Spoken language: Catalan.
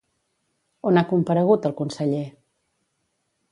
On ha comparegut el conseller?